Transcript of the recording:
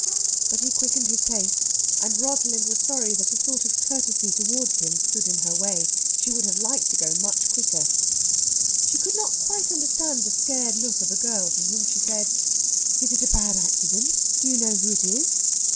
But he quickened his pace, and Rosalind was sorry that a sort of courtesy towards him stood in her way. She would have liked to go much quicker. She could not quite understand the scared look of a girl to whom she said, "Is it a bad accident? Do you know who it is?"